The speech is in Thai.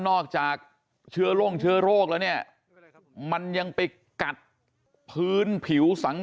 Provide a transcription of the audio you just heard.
จากเชื้อโรคเชื้อโรคแล้วเนี่ยมันยังไปกัดพื้นผิวสัง